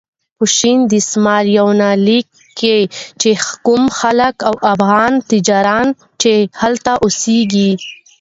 په شین دسمال یونلیک کې چې کوم خلک او افغان تجاران چې هلته اوسېږي.